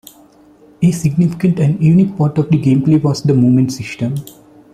A significant and unique part of the gameplay was the movement system.